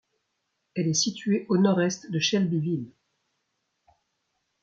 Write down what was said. Elle est située au nord-est de Shelbyville.